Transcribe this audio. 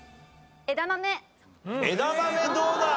枝豆どうだ？